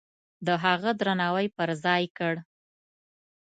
د هغه درناوی پرځای کړ.